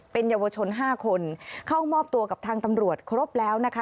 เป็นเยาวชน๕คนเข้ามอบตัวกับทางตำรวจครบแล้วนะคะ